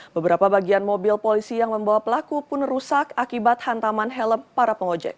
beberapa bagian mobil polisi yang membawa pelaku pun rusak akibat hantaman helm para pengojek